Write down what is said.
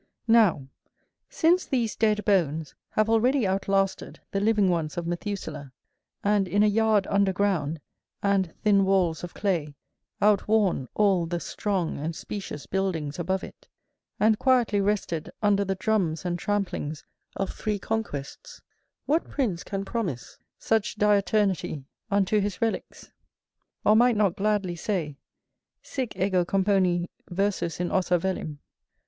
Now since these dead bones have already outlasted the living ones of Methuselah, and in a yard underground, and thin walls of clay, outworn all the strong and specious buildings above it; and quietly rested under the drums and tramplings of three conquests: what prince can promise such diuturnity unto his relicks, or might not gladly say, _Sic ego componi versus in ossa velim?